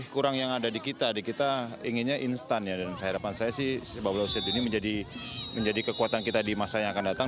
kurang yang ada di kita di kita inginnya instan ya dan harapan saya sih sepak bola usia dini menjadi kekuatan kita di masa yang akan datang